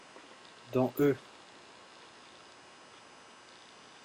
Dans eux.